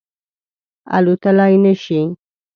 الوتلای نه شي